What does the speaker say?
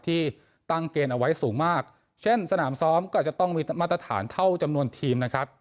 ที่ตั้งเกณฑ์เอาไว้สูงมากเช่นสนามซ้อมก็อาจจะต้องมีมาตรฐานเท่าจำนวนทีมนะครับ